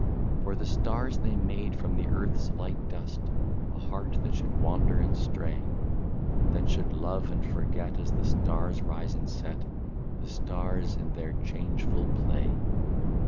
" For the stars they made from the earth's light dust A heart that should wander and stray. That should love and forget, as the stars rise and set, — The stars in their changeful play.